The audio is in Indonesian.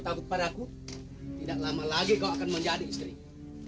tidak lama lagi kau akan menjadi istriku